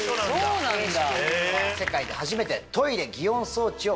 そうなんだ。